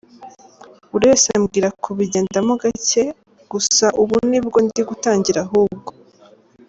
Buri wese ambwira kubigendamo gacye gusa ubu nibwo ndi gutangira ahubwo.